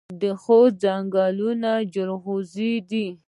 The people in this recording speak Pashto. د خوست ځنګلونه جلغوزي دي